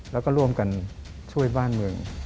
แล้วก็ร่วมกันช่วยบ้านเมือง